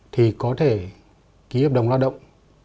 thì có thể ký hợp đồng lao động